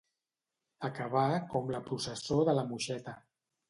Acabar com la processó de la Moixeta.